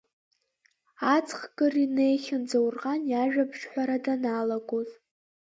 Аҵх кыр инеихьан Заурҟан иажәабжьҳәара даналгоз.